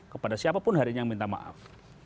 kepada siapapun hari ini yang minta maaf